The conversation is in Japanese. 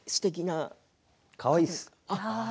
かわいいです。